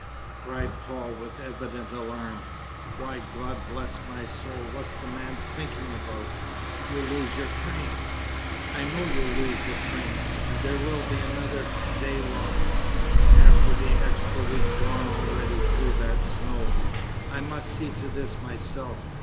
cried Paul, with evident alarm, "why, God bless my soul, what's the man thinking about? You'll lose your train! I know you'll lose the train, and there will be another day lost, after the extra week gone already through that snow! I must see to this myself.